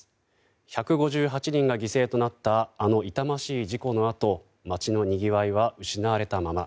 １５８人が犠牲となったあの痛ましい事故のあと街のにぎわいは失われたまま。